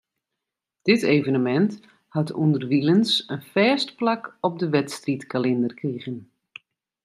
Dit evenemint hat ûnderwilens in fêst plak op 'e wedstriidkalinder krigen.